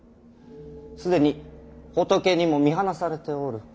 既に仏にも見放されておる。